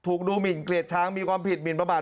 ถูกดูหมินเกลียดช้างมีความผิดหมินประมาท